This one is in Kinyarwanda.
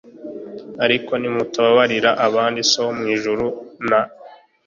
Ariko nimutababarira abandi So wo mu ijuru na